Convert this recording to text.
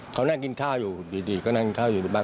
เขานั่งกินข้าวอยู่ดีก็นั่งข้าวอยู่ในบ้าน